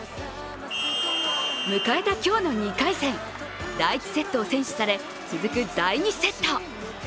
迎えた今日の２回戦、第１セットを先取され、続く第２セット。